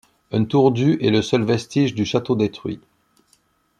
Une tour du est le seul vestige du château détruit.